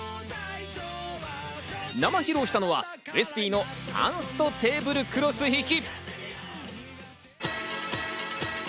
生披露したのはウエスＰのパンストテーブルクロス引き。